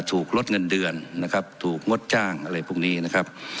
ถูกลดเงินเดือนนะครับถูกงดจ้างอะไรพวกนี้นะครับ